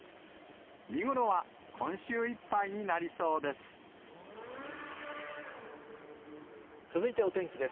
見頃は今週いっぱいになりそうで続いてお天気です。